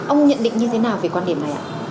ông nhận định như thế nào về quan điểm này ạ